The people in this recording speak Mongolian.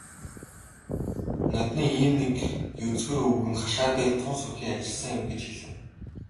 "Ноднин ийм нэг егзөр өвгөн хашаан дээр тун сүрхий ажилласан юм" гэж хэлэв.